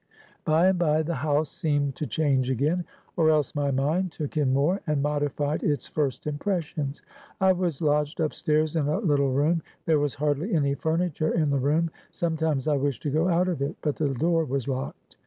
"By and by, the house seemed to change again, or else my mind took in more, and modified its first impressions. I was lodged up stairs in a little room; there was hardly any furniture in the room; sometimes I wished to go out of it; but the door was locked.